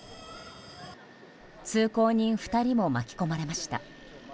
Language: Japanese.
通行人２人も巻き込まれました。